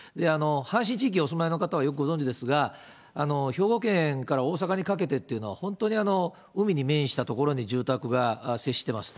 阪神地域にお住まいの方はよくご存じですが、兵庫県から大阪にかけてというのは、本当に海に面した所に住宅が接してます。